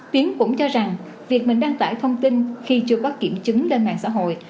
tiến cũng cho rằng việc mình đăng tải thông tin khi chưa có kiểm chứng lên mạng xã hội